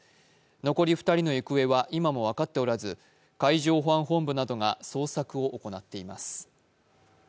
残り２人の行方は今も分かっておらず海上保安本部などが捜索を行っています。